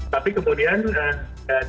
tapi kemudian nggak ada yang juga bisa keluarkan